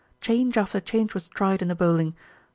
Change after change was tried in the bowling.